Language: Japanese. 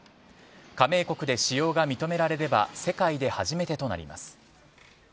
加盟国で使用が認められれば世界で初めてとなります。